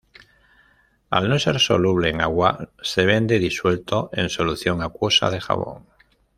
Al no ser soluble en agua, se vende disuelto en solución acuosa de jabón.